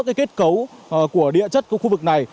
cái kết cấu của địa chất của khu vực này